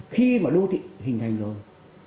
khi mà đô thị hình thành rồi